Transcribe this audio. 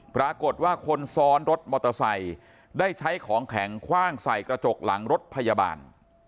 ปรากฏว่าคนซ้อนรถมอเตอร์ไซค์ได้ใช้ของแข็งคว่างใส่กระจกหลังรถพยาบาล